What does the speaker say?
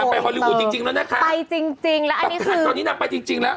นางไปฮอลลีวูดจริงแล้วนะคะตอนนี้นางไปจริงแล้วอันนี้คือตอนนี้นางไปจริงแล้ว